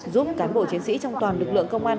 giúp cán bộ chiến sĩ trong toàn lực lượng công an